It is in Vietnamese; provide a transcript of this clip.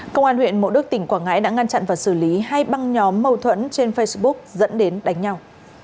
công an huyện mộ đức tỉnh quảng ngãi đã ngăn chặn và xử lý hai băng nhóm mâu thuẫn trên facebook dẫn đến đánh nhau